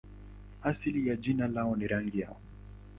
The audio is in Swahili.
Asili ya jina lao ni rangi yao.